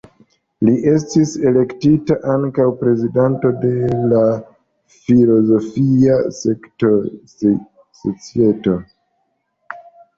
Li estis elektita ankaŭ prezidanto de la filozofia societo.